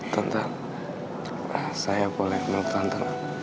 tante saya boleh menurut tante